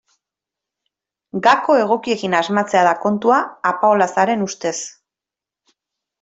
Gako egokiekin asmatzea da kontua, Apaolazaren ustez.